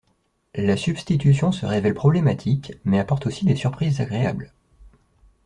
La substitution se révèle problématique mais apporte aussi des surprises agréables.